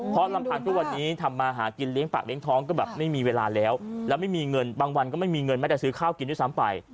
เพราะลำพังทุกวันนี้ทำมาหากินเลี้ยงปากเลี้ยท้องก็แบบไม่มีเวลาแล้วแล้วไม่มีเงินบางวันก็ไม่มีเงินแม้จะซื้อข้าวกินด้วยซ้ำไป